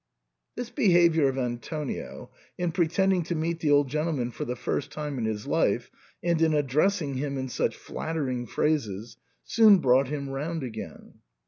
This behaviour of Antonio, in pretending to meet the old gentleman for the first time in his life, and in addressing him in such flattering phrases, soon brought him round again.